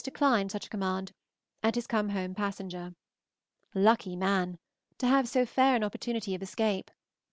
declined such a command, and is come home passenger. Lucky man! to have so fair an opportunity of escape.